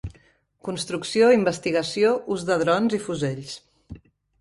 Construcció, investigació, ús de drons i fusells.